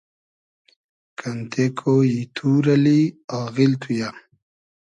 کئنتې کۉیی توور اللی آغیل تو یہ